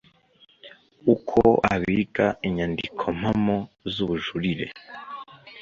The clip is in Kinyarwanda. uko abika inyandiko mpamo zubujurire